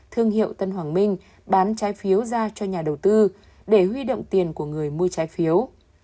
thương hiệu tân hoàng minh bán trái phiếu ra cho nhà đầu tư để huy động tiền của người mua trái phiếu